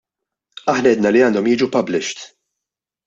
Aħna għedna li għandhom jiġu published.